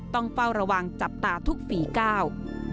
ต้องเฝ้าระวังจับตาทุกฝีก้าว